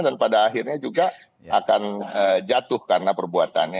dan pada akhirnya juga akan jatuh karena perbuatannya